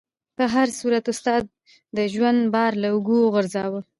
په هر صورت استاد د ژوند بار له اوږو وغورځاوه.